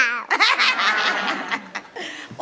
ใช่